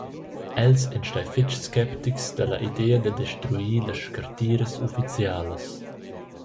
Els ein stai fetg sceptics dalla idea da destruir las scartiras ufficialas.